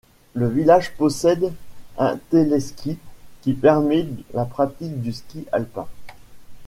Le village possède un téléski qui permet la pratique du ski alpin.